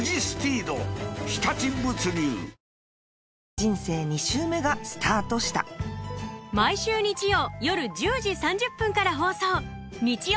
人生２周目がスタートした毎週日曜夜１０時３０分から放送